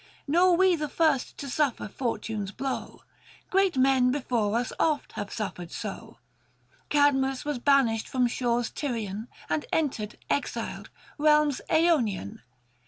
Nor we the first to suffer Fortune's blow, 515 Great men before us oft have suffered so : Cadmus was banished from shores Tyrian And entered, exiled, realms Aonian.